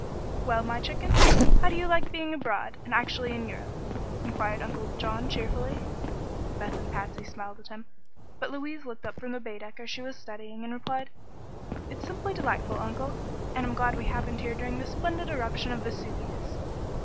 "Well, my chickens, how do you like being abroad, and actually in Europe?" enquired Uncle John, cheerfully. Beth and Patsy smiled at him, but Louise looked up from the Baedecker she was studying and replied: "It's simply delightful, Uncle, and I'm glad we happened here during this splendid eruption of Vesuvius.